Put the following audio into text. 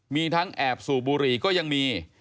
มีทั้งแอบสูบบุหรี่ก็ยังมี